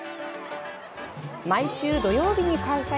毎週土曜日に開催